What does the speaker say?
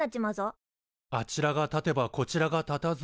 「あちらが立てばこちらが立たず」だね。